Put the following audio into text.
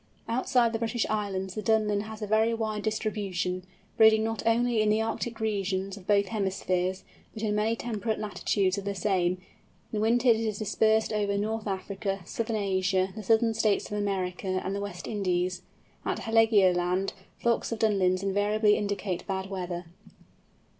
Outside the British Islands the Dunlin has a very wide distribution, breeding not only in the Arctic regions of both hemispheres, but in many temperate latitudes of the same; in winter it is dispersed over North Africa, Southern Asia, the Southern States of America, and the West Indies. At Heligoland, flocks of Dunlins invariably indicate bad weather.